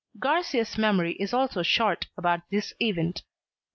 Garcia's memory is also short about this event.